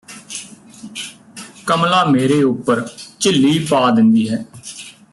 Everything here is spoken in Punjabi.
ਕਮਲਾ ਮੇਰੇ ਉੱਪਰ ਝਿੱਲੀ ਪਾ ਦਿੰਦੀ ਹੈ